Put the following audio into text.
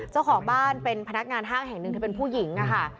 เจ้าของบ้านเป็นพนักงานห้างแห่งหนึ่งเธอเป็นผู้หญิงค่ะ